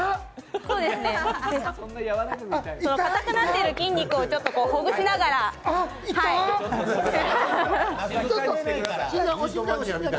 固くなっている筋肉をほぐしながら、はい。